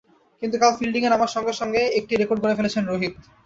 কিন্তু কাল ফিল্ডিংয়ে নামার সঙ্গে সঙ্গেই একটি রেকর্ড গড়ে ফেলেছেন রোহিত।